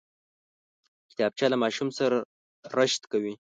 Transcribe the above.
کتابچه له ماشوم سره رشد کوي